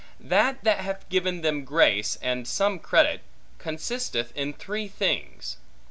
That that hath given them grace, and some credit, consisteth in three things.